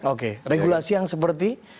oke regulasi yang seperti